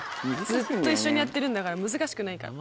ずっと一緒にやってるんだから難しくないから。